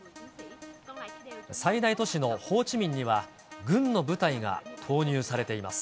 最大都市のホーチミンには、軍の部隊が投入されています。